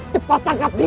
cepat angkat dia